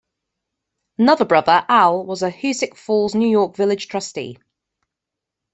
Another brother, Al, was a Hoosick Falls, New York village trustee.